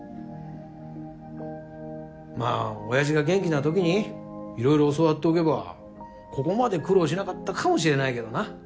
まあ親父が元気な時にいろいろ教わっておけばここまで苦労しなかったかもしれないけどな。